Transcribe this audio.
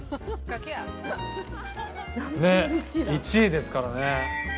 １位ですからね。